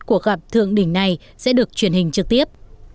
cuộc gặp thượng đỉnh này sẽ được truyền hình trực tiếp